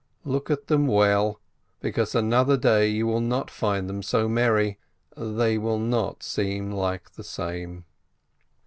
Look at them well, because another day you will not find them so merry, they will not seem like the same.